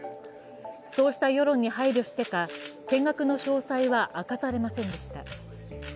そうした世論に配慮してか見学の詳細は明かされませんでした。